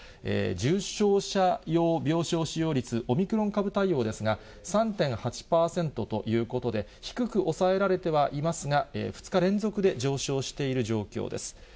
重症者用病床使用率、オミクロン株対応ですが３．８％ということで、低く抑えられてはいますが、２日連続で上昇している状況です。